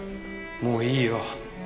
もういいよ。